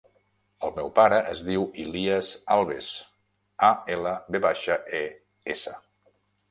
El meu pare es diu Ilyas Alves: a, ela, ve baixa, e, essa.